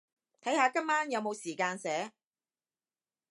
睇下今晚有冇時間寫